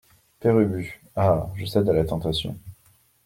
Père Ubu Ah ! je cède à la tentation.